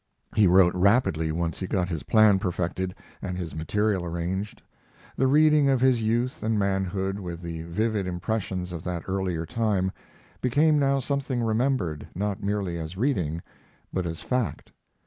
He wrote rapidly once he got his plan perfected and his material arranged. The reading of his youth and manhood, with the vivid impressions of that earlier time, became now something remembered, not merely as reading, but as fact.